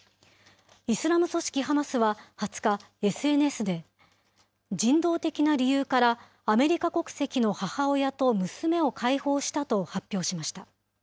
イスラム組織ハマスは２０日、ＳＮＳで、人道的な理由からアメリカ国籍の母親と娘を解放したと発表しました。